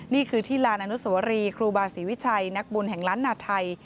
นี่คือที่ลานอนุสวรีครูบาศรีวิชัยนักบุญแห่งล้านนาไทย